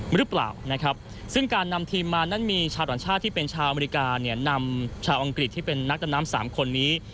หรือเปล่านะครับซึ่งการนำทีมมานั้นมีชาวต่างชาติที่เป็นชาวอเมริกาเนี่ยนำชาวอังกฤษที่เป็นนักดำน้ำสามคนนี้